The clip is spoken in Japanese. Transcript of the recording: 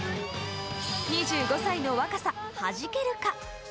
２５歳の若さ、はじけるか？